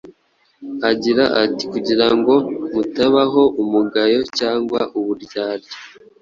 agira ati, “Kugira ngo mutabaho umugayo cyangwa uburyarya,